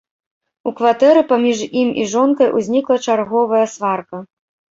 У кватэры паміж ім і жонкай узнікла чарговая сварка.